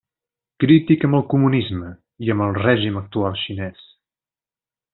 Crític amb el comunisme i amb el règim actual xinès.